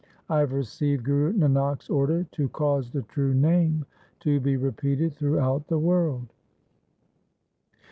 I have received Guru Nanak's order to cause the true Name to be repeated throughout the world.'